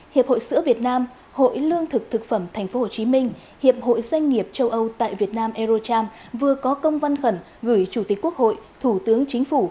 hiệp hội sữa việt nam hội lương thực thực phẩm tp hcm hiệp hội doanh nghiệp châu âu tại việt nam eurocharm vừa có công văn khẩn gửi chủ tịch quốc hội thủ tướng chính phủ